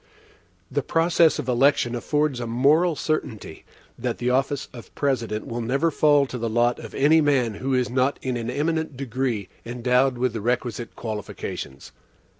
The process of election affords a moral certainty, that the office of President will never fall to the lot of any man who is not in an eminent degree endowed with the requisite qualifications.